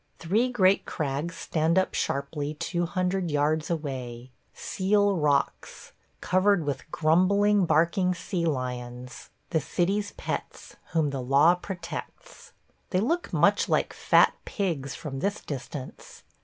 Three great crags stand up sharply two hundred yards away – Seal Rocks – covered with grumbling, barking sea lions, the city's pets, whom the law protects. They look much like fat pigs from this distance.